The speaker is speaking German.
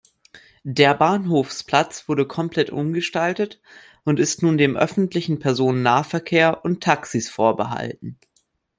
Der Bahnhofsplatz wurde komplett umgestaltet und ist nun dem öffentlichen Personennahverkehr und Taxis vorbehalten.